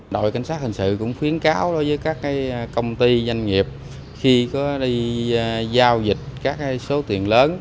đội cảnh sát hình sự cũng khuyến cáo đối với các công ty doanh nghiệp khi có đi giao dịch các số tiền lớn